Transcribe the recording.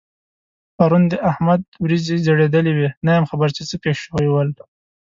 پرون د احمد وريځې ځړېدلې وې؛ نه یم خبر چې څه پېښ شوي ول؟